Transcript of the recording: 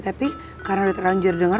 tapi karena udah terlanjur dengar